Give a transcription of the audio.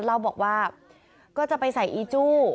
เล่าบอกว่าก็จะไปใส่อีจู้